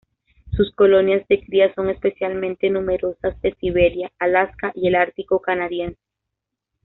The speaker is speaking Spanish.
Sus colonias de cría son especialmente numerosas de Siberia, Alaska y el Ártico canadiense.